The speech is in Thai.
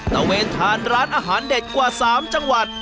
ตะเวนทานร้านอาหารเด็ดกว่า๓จังหวัด